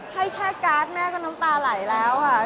ให้แค่การ์ดแม่ก็น้ำตาไหลแล้วค่ะ